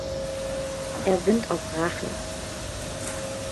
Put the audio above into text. Er sinnt auf Rache.